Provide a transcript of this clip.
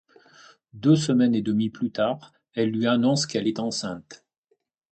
Deux semaines et demie plus tard, elle lui annonce qu'elle est enceinte.